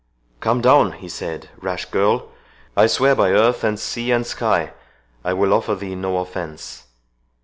"Come down," he said, "rash girl!—I swear by earth, and sea, and sky, I will offer thee no offence."